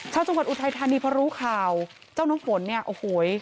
ชาวจังหวัดอุทัยธานีพอรู้ข่าวเจ้าน้ำฝนเนี่ยโอ้โห